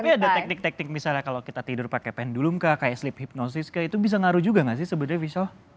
tapi ada teknik teknik misalnya kalau kita tidur pakai pendulum kah kayak sleep hipnosis kah itu bisa ngaruh juga nggak sih sebenarnya visa